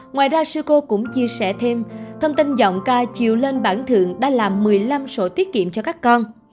ngoài ra sư cô cũng chia sẻ thêm thông tin giọng ca chiều lên bảng thượng đã làm một mươi năm sổ tiết kiệm cho các con